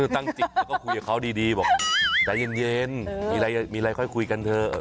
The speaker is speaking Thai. ตั้งจิตแล้วก็คุยกับเขาดีบอกใจเย็นมีอะไรมีอะไรค่อยคุยกันเถอะ